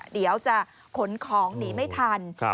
เดี๋ยวจะขนของหนีไม่ทัน